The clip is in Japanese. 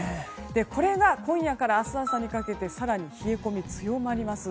これが今夜から明日朝にかけて更に冷え込みが強まります。